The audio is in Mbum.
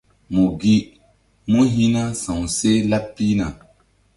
Mu gi mú hi̧ na sawseh laɓ pihna.